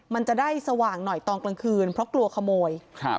มันจะได้สว่างหน่อยตอนกลางคืนเพราะกลัวขโมยครับ